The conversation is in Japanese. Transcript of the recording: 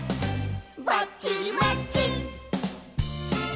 「バッチリマッチ！」